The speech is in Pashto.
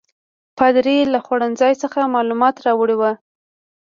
پادري له خوړنځای څخه معلومات راوړي ول.